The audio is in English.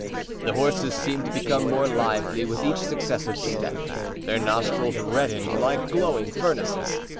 The horses seemed to become more lively with each successive step; their nostrils reddened like glowing furnaces.